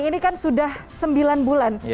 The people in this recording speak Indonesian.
ini kan sudah sembilan bulan